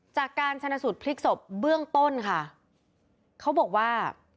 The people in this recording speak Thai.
จากการชนะสูตรพลิกศพเบื้องต้นค่ะเขาบอกว่า